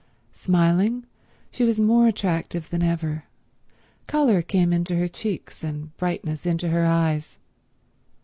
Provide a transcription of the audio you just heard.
Smiling, she was more attractive than ever. Colour came into her cheeks, and brightness into her eyes.